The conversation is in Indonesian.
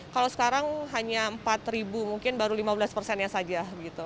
kalau sekarang hanya empat ribu mungkin baru lima belas persennya saja